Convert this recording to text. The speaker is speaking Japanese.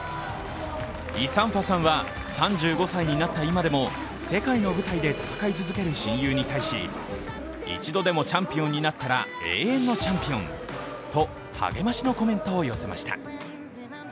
イ・サンファさんは３５歳になった今でも世界の舞台で戦い続ける親友に対し一度でもチャンピオンになったら、永遠のチャンピオンと励ましのコメントを寄せました。